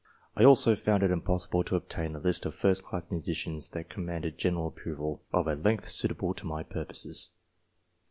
I also found it impossible to obtain a list of first class musicians that commanded general approval, of a length suitable to my purposes.